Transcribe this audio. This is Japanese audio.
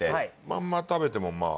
まんま食べてもまあ。